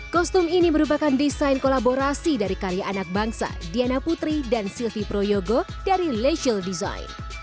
kostum ini merupakan desain kolaborasi dari karya anak bangsa diana putri dan silvi proyogo dari lesual design